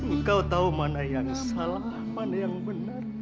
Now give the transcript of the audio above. engkau tahu mana yang salah mana yang benar